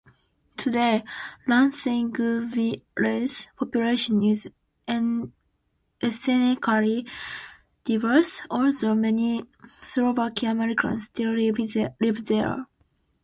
Today, Lansingville's population is ethnically diverse, although many Slovak-Americans still live there.